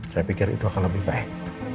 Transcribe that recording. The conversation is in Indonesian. saya pikir itu akan lebih baik